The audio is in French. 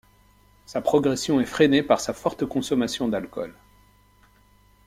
Sa progression est freinée par sa forte consommation d'alcool.